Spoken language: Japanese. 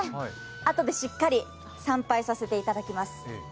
あとでしっかり参拝させていただきます。